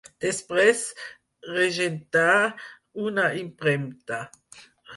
Després regentà una impremta.